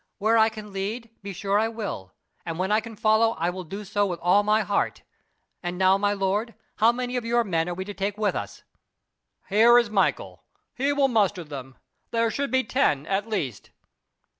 "Where I can lead, be sure I will; and when I can follow I will do so with all my heart. And now, my lord, how many of your men are we to take with us?" "Here is Michael. He will muster them. There should be ten, at least."